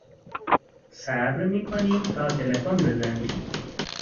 صبر میکنیم تا تلفن بزنی.